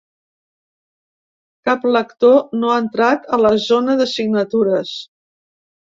Cap lector no ha entrat a la zona de signatures.